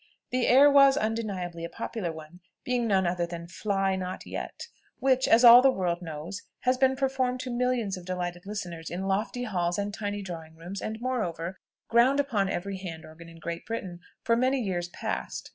The air was undeniably a popular one, being no other than "Fly not yet!" which, as all the world knows, has been performed to millions of delighted listeners, in lofty halls and tiny drawing rooms, and, moreover, ground upon every hand organ in Great Britain for many years past.